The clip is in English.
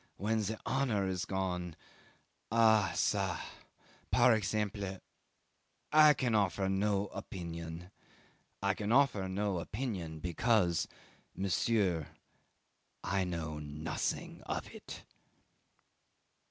. "when the honour is gone ah ca! par exemple I can offer no opinion. I can offer no opinion because monsieur I know nothing of it."